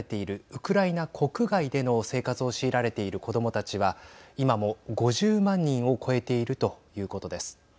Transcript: ウクライナ国外での生活を強いられている子どもたちは今も５０万人を超えているということです。